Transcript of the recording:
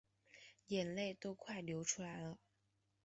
眼泪都快流出来了